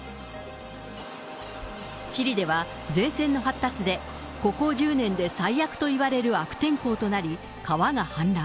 チリでは前線の発達で、ここ１０年で最悪といわれる悪天候となり、川が氾濫。